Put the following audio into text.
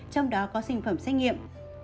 trong đó có sinh phẩm xét nghiệm